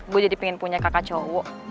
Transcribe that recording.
gue jadi pengen punya kakak cowok